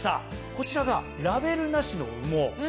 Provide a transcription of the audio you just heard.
こちらがラベルなしの羽毛。